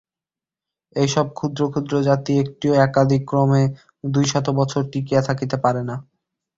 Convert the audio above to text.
এইসব ক্ষুদ্র ক্ষুদ্র জাতি একটিও একাদিক্রমে দুই শত বৎসর টিকিয়া থাকিতে পারে না।